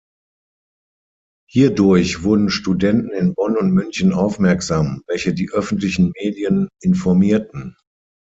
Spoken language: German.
Hierdurch wurden Studenten in Bonn und München aufmerksam, welche die öffentlichen Medien informierten.